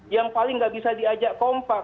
yang paling nggak bisa diajak kompak